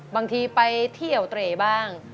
บางทีไปเที่ยวเตรบ้าง